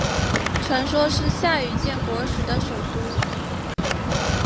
传说是夏禹建国时的首都。